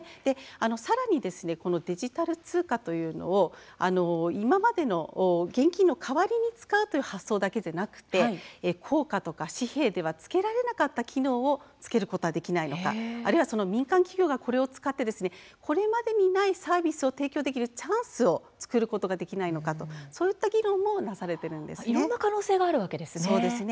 さらにデジタル通貨というのを今までの現金の代わりに使うという発想だけではなく硬貨、紙幣ではつけられなかった機能をつけることはできないのかあるいは民間企業がこれを使ってこれまでにないサービスを提供できるチャンスを作ることができないかとかそういった議論がなされているんですね。